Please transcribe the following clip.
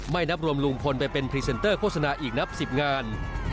นับรวมลุงพลไปเป็นพรีเซนเตอร์โฆษณาอีกนับ๑๐งาน